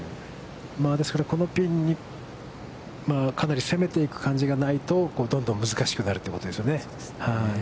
ですから、このピンにかなり攻めていく感じがないと、どんどん難しくなるということですよね。